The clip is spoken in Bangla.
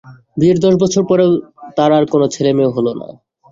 বিয়ের দশ বছর পরেও তাঁর আর কোনো ছেলেমেয়ে হল না।